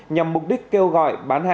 nhằm mục đích kêu gọi bán hàng